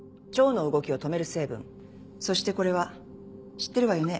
そしてこれは知ってるわよね？